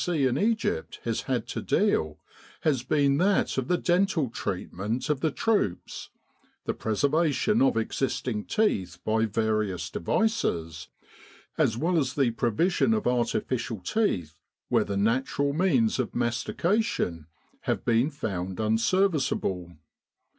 C. in Egypt has had to deal has been that of the dental treatment of the troops the preservation of existing teeth by various devices, as well as the provision of artificial teeth where the natural means of mastication have been found unserviceable.